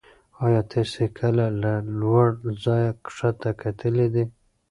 ایا تاسې کله له لوړ ځایه کښته کتلي دي؟